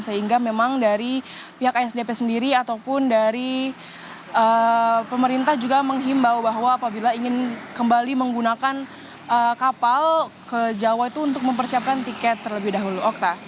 sehingga memang dari pihak asdp sendiri ataupun dari pemerintah juga menghimbau bahwa apabila ingin kembali menggunakan kapal ke jawa itu untuk mempersiapkan tiket terlebih dahulu